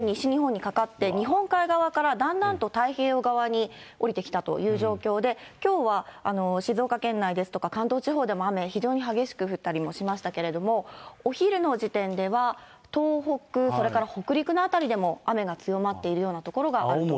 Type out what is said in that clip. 広い範囲をきのうの夜から見ていきますと、活発な雨雲が東日本、西日本にかかって日本海側から、だんだんと太平洋側に下りてきたという状況で、きょうは静岡県内ですとか、関東地方でも雨、非常に激しく降ったりもしましたけれども、お昼の時点では、東北、それから北陸の辺りでも、雨が強まっているような所があると。